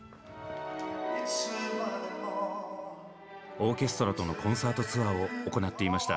オーケストラとのコンサートツアーを行っていました。